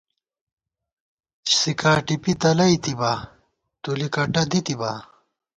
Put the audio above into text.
سِکا ٹپی تلَئیتِبا ، تُلِک کٹہ دِتِبا